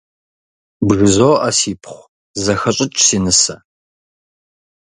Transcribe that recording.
БжызоӀэ, сипхъу, зэхэщӀыкӀ, си нысэ.